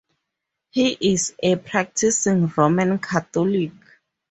He is a practicing Roman Catholic.